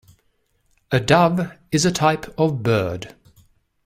A Dove is a type of bird.